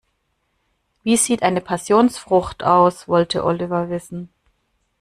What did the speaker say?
"Wie sieht eine Passionsfrucht aus?", wollte Oliver wissen.